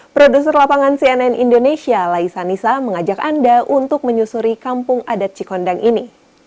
produser lapangan cnn indonesia laisa nisa mengajak anda untuk menyusuri kampung adat cikondang ini